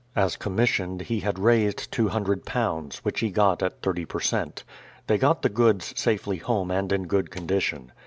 As commissioned, he had raised £200, which he got at 30 per cent. They got the goods safely home and in good condition.